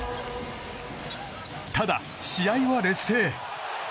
ただ、試合は劣勢。